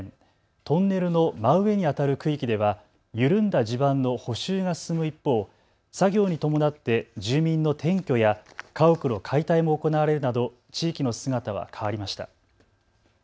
トンネルの真上にあたる区域では緩んだ地盤の補修が進む一方、作業に伴って住民の転居や家屋の解体も行われるなど地域の姿は変わりました。